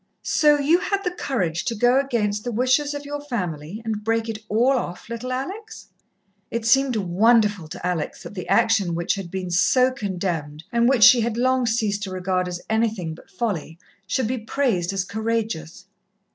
"So you had the courage to go against the wishes of your family and break it all off, little Alex?" It seemed wonderful to Alex that the action which had been so condemned, and which she had long ceased to regard as anything but folly, should be praised as courageous.